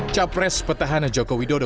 capres petahana jokowi dodo